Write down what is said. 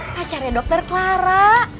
eh pacarnya dokter clara